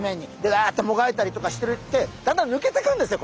わっともがいたりとかしててだんだん抜けてくるんですよ